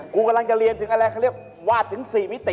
กูกำลังจะเรียนถึงอะไรเขาเรียกวาดถึง๔มิติ